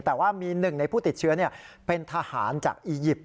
แต่ว่ามีหนึ่งในผู้ติดเชื้อเป็นทหารจากอียิปต์